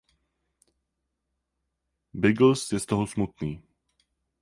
Biggles je z toho smutný.